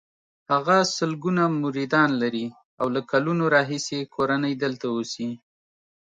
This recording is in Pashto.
هغه سلګونه مریدان لري او له کلونو راهیسې یې کورنۍ دلته اوسي.